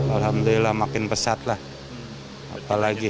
alhamdulillah makin besar